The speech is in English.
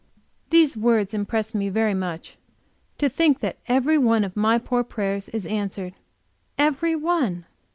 These words impressed me very much. To think that every one of my poor prayers is answered! Every one!